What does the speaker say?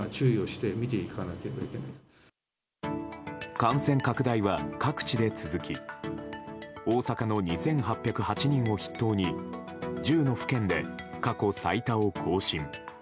感染拡大は各地で続き大阪の２８０８人を筆頭に１０の府県で過去最多を更新。